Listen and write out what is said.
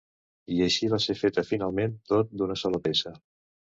I així va ser feta finalment tot d'una sola peça.